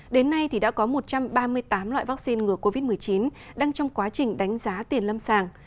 đến nay đã có một trăm ba mươi tám loại vaccine ngừa covid một mươi chín đang trong quá trình đánh giá tiền lâm sàng